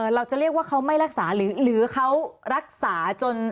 เราจะเรียกว่าเขาไม่รักษาหรือเขารักษาจน